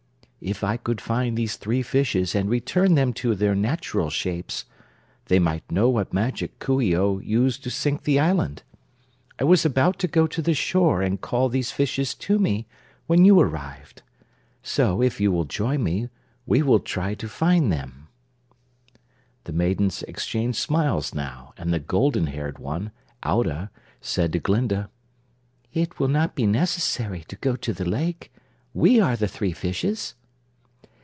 "If I could find these three fishes and return them to their natural shapes they might know what magic Coo ee oh used to sink the island. I was about to go to the shore and call these fishes to me when you arrived. So, if you will join me, we will try to find them." The maidens exchanged smiles now, and the golden haired one, Audah, said to Glinda: "It will not be necessary to go to the lake. We are the three fishes."